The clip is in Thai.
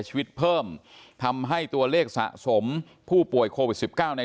ชีวิตเพิ่มทำให้ตัวเลขสะสมผู้ป่วยโควิด๑๙ใน